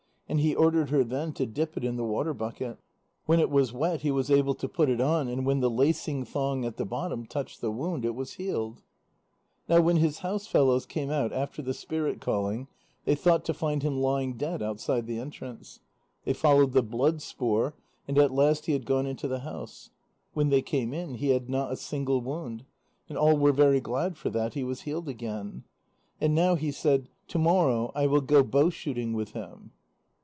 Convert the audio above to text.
And he ordered her then to dip it in the water bucket. When it was wet, he was able to put it on, and when the lacing thong at the bottom touched the wound, it was healed. Now when his house fellows came out after the spirit calling they thought to find him lying dead outside the entrance. They followed the blood spoor, and at last he had gone into the house. When they came in, he had not a single wound, and all were very glad for that he was healed again. And now he said: "To morrow I will go bow shooting with him."